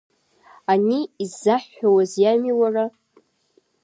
Ани, иззаҳҳәауаз иами, уара.